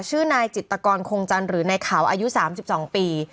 ชื่อนายจิตกรคงจันทร์หรือนายขาวอายุ๓๒ปี